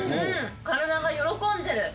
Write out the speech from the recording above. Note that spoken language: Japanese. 体が喜んでる。